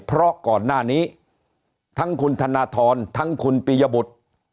เพราะก่อนหน้านี้ทั้งคุณธนทรทั้งคุณปียบุตร